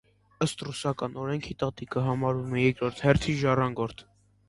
Ըստ ռուսական օրենքի տատիկը համարվում է երկրորդ հերթի ժառանգորդ։